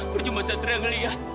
percuma setia ngeliat